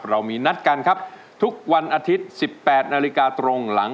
เรามีนัดกันครับทุกวันอาทิตย์๑๘นาฬิกาตรงหลัง